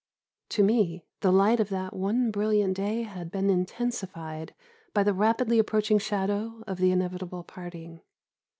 To me, the light of that one brilliant day had been intensified by the rapidly approaching shadow of the inevitable parting.